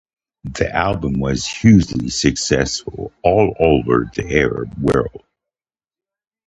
The album was hugely successful all over the Arab world.